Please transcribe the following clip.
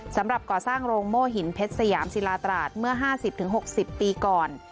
สำหรับก่อสร้างโรงโม่หินเพชรสยามศิลาตราดเมื่อ๕๐๖๐ปีก่อน